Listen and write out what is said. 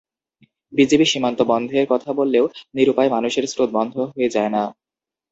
BGB সীমান্ত বন্ধের কথা বললেও নিরুপায় মানুষের স্রোত বন্ধ হয়ে যায় না।